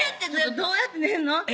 どうやって寝んの？